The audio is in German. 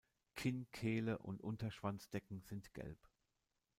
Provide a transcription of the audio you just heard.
Kinn, Kehle und Unterschwanzdecken sind gelb.